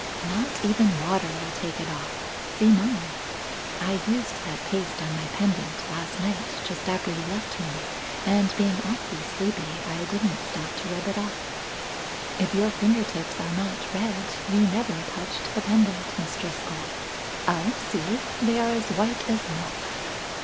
Not even water will take it off, see mine. I used that paste on my pendant last night just after you left me, and being awfully sleepy I didn't stop to rub it off. If your finger tips are not red, you never touched the pendant, Miss Driscoll. Oh, see! They are as white as milk.